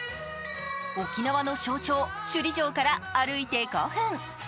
沖縄の象徴、首里城から歩いて５分。